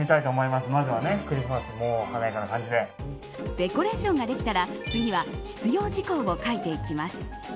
デコレーションができたら次は必要事項を書いていきます。